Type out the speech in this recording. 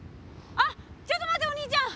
あっちょっと待ってお兄ちゃん！